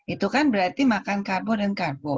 itu kan berarti makan karbo dan karbo